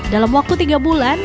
dalam waktu tiga bulan